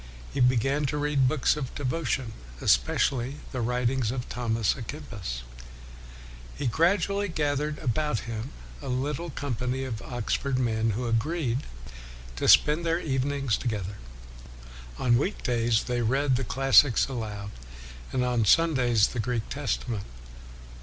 He be gan to read books of devotion, especially the writings of Thomas a Kempis. He gradually gathered about him a little company of Oxford men who agreed to spend their evenings together. On week days they read the classics aloud, and on Sundays the Greek Testament.